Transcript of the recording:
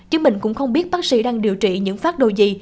chứ mình cũng không biết bác sĩ đang điều trị những phát đồ gì